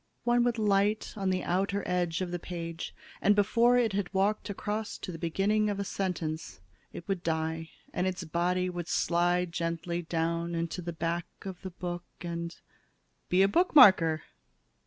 One would light on the outer edge of the page, and before it had walked across to the beginning of a sentence, it would die and its body would slide gently down into the back of the book and be a bookmarker!"